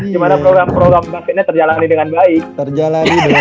gimana program program davidnya terjalani dengan baik